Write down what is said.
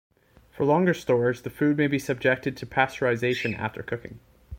For longer storage the food may be subjected to pasteurization after cooking.